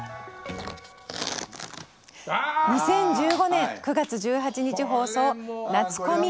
２０１５年９月１８日放送「夏コミ！